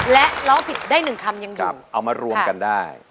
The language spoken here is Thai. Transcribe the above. และร้องผิดได้หนึ่งคำยังดีเอามารวมกันได้